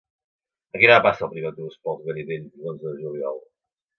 A quina hora passa el primer autobús per els Garidells l'onze de juliol?